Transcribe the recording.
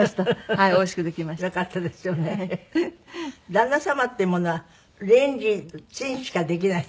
旦那様っていうものはレンジチンしかできない？